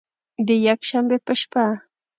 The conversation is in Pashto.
د یکشنبې په شپه